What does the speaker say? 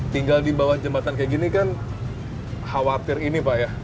tinggal di bawah jembatan kayak gini kan khawatir ini pak ya